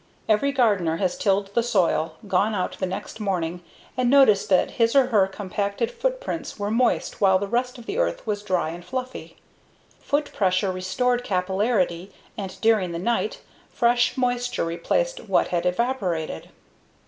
Every gardener has tilled the soil, gone out the next morning, and noticed that his or her compacted footprints were moist while the rest of the earth was dry and fluffy. Foot pressure restored capillarity, and during the night, fresh moisture replaced what had evaporated.